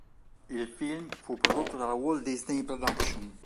Il film fu prodotto dalla Walt Disney Productions.